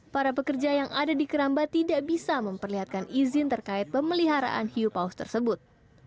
para pekerja yang ada di keramba tidak bisa memperlihatkan izin terkait pemeliharaan hiu paus tersebut